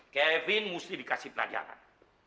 kevin mesti dikasih pelajaran